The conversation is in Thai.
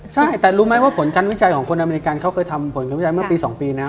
ใช่แต่รู้ไหมว่าผลการวิจัยของคนอเมริกันเขาเคยทำผลคำวิจัยเมื่อปี๒ปีนะ